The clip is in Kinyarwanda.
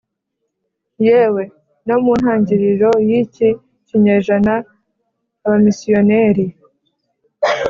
yewe no mu ntangiriro y'iki kinyejana abamisiyoneri